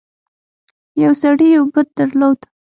یو سړي یو بت درلود.